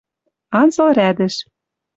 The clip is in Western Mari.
Анзыл рядӹш